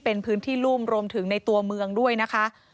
เป็นพื้นที่รุ่มรวมถึงในตัวเมืองด้วยนะคะ